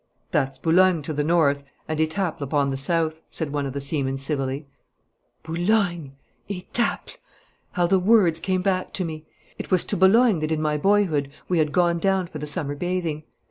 'That's Boulogne to the north, and Etaples upon the south,' said one of the seamen civilly. Boulogne! Etaples! How the words came back to me! It was to Boulogne that in my boyhood we had gone down for the summer bathing.